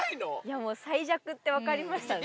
もう最弱って分かりましたね。